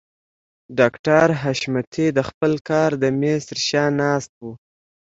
ډاکټر حشمتي د خپل کار د مېز تر شا ناست و.